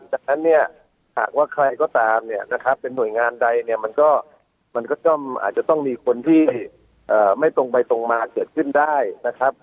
จากนั้นเนี่ยหากว่าใครก็ตามเนี่ยนะครับเป็นหน่วยงานใดเนี่ยมันก็มันก็ต้องอาจจะต้องมีคนที่ไม่ตรงไปตรงมาเกิดขึ้นได้นะครับ